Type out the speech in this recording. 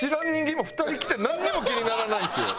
今２人来てなんにも気にならないんですよ。